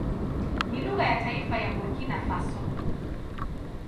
Ni lugha ya taifa ya Burkina Faso.